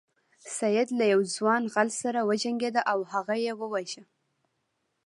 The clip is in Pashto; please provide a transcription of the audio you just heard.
سید له یو ځوان غل سره وجنګیده او هغه یې وواژه.